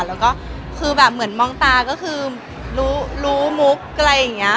แล้วก็คือแบบเหมือนมองตาก็คือรู้มุกอะไรอย่างนี้